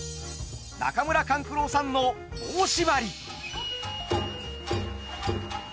中村勘九郎さんの「棒しばり」。